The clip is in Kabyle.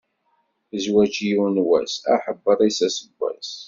Zzwaǧ yiwen wass, aḥebbeṛ-is aseggas.